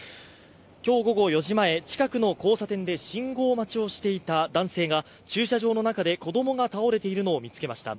今日午後４時前、近くの交差点で信号待ちをしていた男性が駐車場の中で子供が倒れているのを見つけました。